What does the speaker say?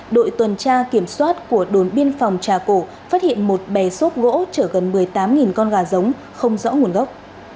đội tuần tra kiểm soát của đồn biên phòng trà cổ phát hiện một bè xốp gỗ chở gần một mươi tám con gà giống không rõ nguồn gốc